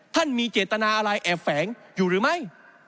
มีเจตนาอะไรแอบแฝงอยู่หรือไม่